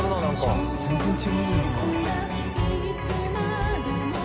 「全然違うねんな」